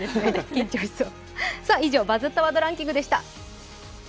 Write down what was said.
緊張しそう。